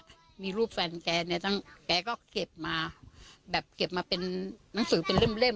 แกมีรูปแฟนแกเนี่ยแกก็เก็บมาเป็นหนังสือเป็นเล่มเลย